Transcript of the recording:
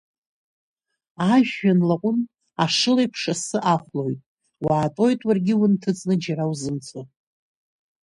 Ажәҩан лаҟәын, ашылеиԥш асы ахәлоит, уаатәоит уаргьы унҭыҵны џьара узымцо.